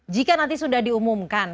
jika nanti sudah diumumkan